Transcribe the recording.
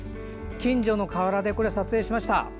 近所の河原で撮影しました。